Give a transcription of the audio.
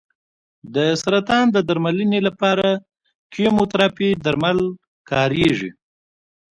د سرطان د درملنې لپاره کیموتراپي درمل کارېږي.